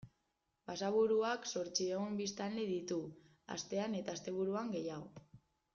Basaburuak zortziehun biztanle ditu astean eta asteburuan gehiago.